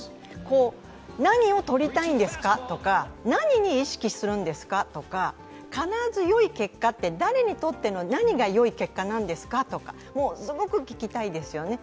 何を取りたいんですか？とか何に意識するんですか？とか必ずよい結果って、誰にとっての何がよい結果なんですかとかすごく聞きたいですよね。